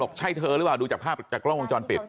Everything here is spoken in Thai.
ใช่เธอหรือเปล่าดูจากภาพจากกล้องวงจรปิด